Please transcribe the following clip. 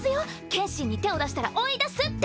剣心に手を出したら追い出すって！